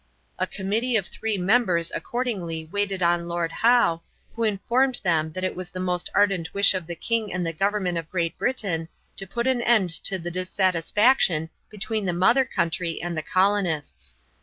A committee of three members accordingly waited on Lord Howe, who informed them that it was the most ardent wish of the king and the government of Great Britain to put an end to the dissatisfaction between the mother country and the colonists.